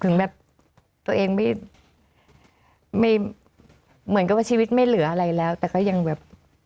แบบตัวเองไม่เหมือนกับว่าชีวิตไม่เหลืออะไรแล้วแต่ก็ยังแบบ